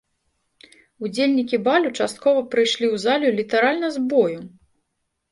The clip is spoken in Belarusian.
Удзельнікі балю часткова прыйшлі ў залю літаральна з бою!